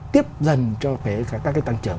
tiếp dần cho các cái tăng trưởng